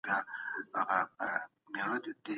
بيا به له ما د غفلت خوب شړي څوک